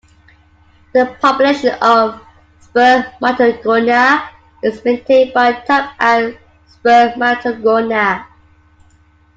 The population of spermatogonia is maintained by "type Ad spermatogonia".